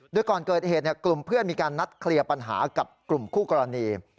โดยก่อนเกิดเหตุกลุ่มเพื่อนมีการนัดเคลียร์ปัญหากับกลุ่มคู่กรณี